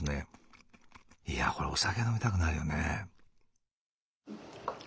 いやこれお酒飲みたくなるよね。